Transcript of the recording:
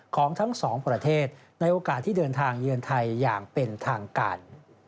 ของทั้งสองประเทศในโอกาสที่เดินทางเยือนไทยอย่างเป็นทางการ